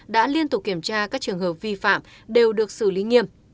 đã liên tục kiểm tra các trường hợp vi phạm đều được xử lý nghiêm